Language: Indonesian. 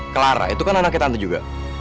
clara itu kan anaknya tante juga